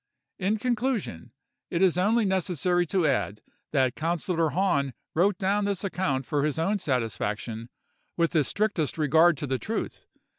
"In conclusion, it is only necessary to add that Councillor Hahn wrote down this account for his own satisfaction, with the strictest regard to truth.